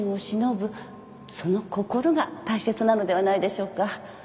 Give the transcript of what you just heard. その心が大切なのではないでしょうか。